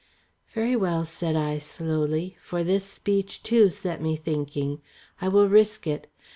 "Very well," said I slowly, for this speech too set me thinking. "I will risk it.